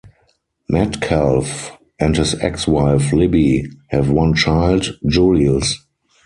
Metcalf and his ex-wife, Libby, have one child, Julius.